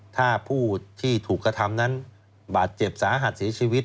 ถ้าผู้ที่ถูกกระทำนั้นบาดเจ็บสาหัสเสียชีวิต